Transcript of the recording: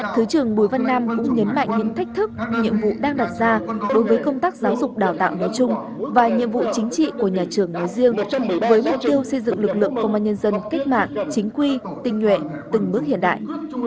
thứ trưởng bùi văn nam cũng nhấn mạnh những thách thức nhiệm vụ đang đặt ra đối với công tác giáo dục đào tạo nói chung và nhiệm vụ chính trị của nhà trường nói riêng đối với mục tiêu xây dựng lực lượng công an nhân dân cách mạng chính quy tinh nhuệ từng bước hiện đại